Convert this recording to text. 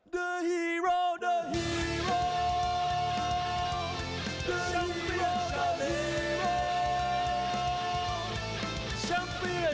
เจ้าชายขยับมาเสียบซ้ายตั้งกระแพงกาไม่ได้ครับ